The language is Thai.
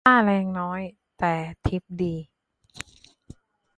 ค่าแรงน้อย แต่ทิปดี